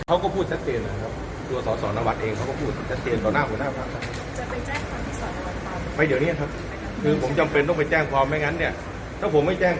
เขาก็พูดแสดงนะครับตัวต่อสอนวัลต์เอง